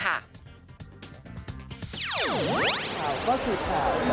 ข่าวก็ถูกข่าว